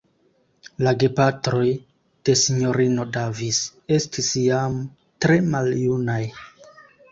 La gepatroj de Sinjorino Davis estis jam tre maljunaj.